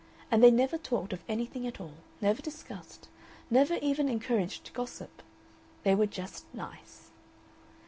And they never talked of anything at all, never discussed, never even encouraged gossip. They were just nice.